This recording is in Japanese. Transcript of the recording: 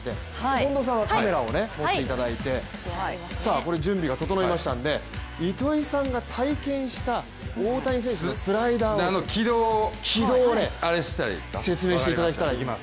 近藤さんはカメラを持っていただいて、準備が整いましたので糸井さんが体験した大谷選手のスライダー軌道を説明していただきたい。